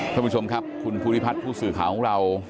ท่านผู้ชมครับคุณภูริพัฒน์ผู้สื่อข่าวของเรา